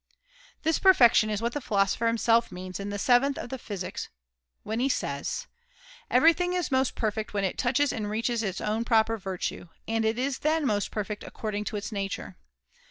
This perfection is what the Philosopher himself means in the seventh of the Physics when he says :* Everything is most [Soj perfect when it touches and reaches its own proper virtue ; and it is then most perfect according to its nature.